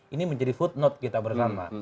ini menjadi footnote kita bersama